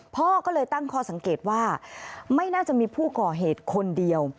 พ่อก็เลยตั้งข้อสังเกตว่าไม่น่าจะมีผู้ก่อเหตุคนเดียว